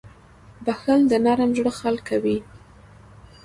• بښل د نرم زړه خلک کوي.